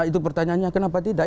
itu pertanyaannya kenapa tidak